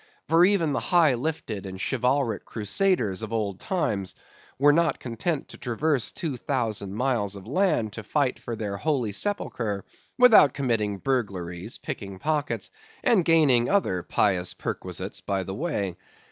For even the high lifted and chivalric Crusaders of old times were not content to traverse two thousand miles of land to fight for their holy sepulchre, without committing burglaries, picking pockets, and gaining other pious perquisites by the way.